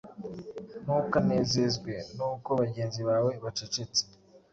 Ntukanezezwe nuko bagenzi bawe bacecetse